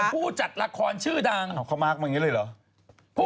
ผู้จัดละครชื่อดังอ๋อคำมากมันอย่างนี้เลยเหรอ